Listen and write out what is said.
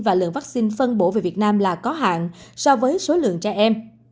và lượng vaccine phân bổ về việt nam là có hạn so với số lượng trẻ em